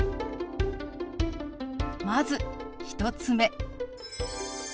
まず１つ目。